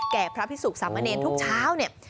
แก่พระพิศุกร์สามเณรทุกเช้า